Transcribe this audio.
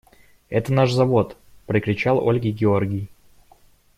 – Это наш завод! – прокричал Ольге Георгий.